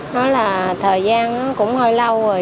nói là thời gian cũng hơi lâu rồi